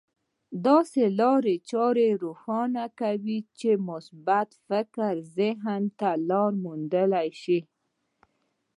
داسې لارې چارې روښانه کوي چې مثبت افکار ذهن ته لاره موندلای شي.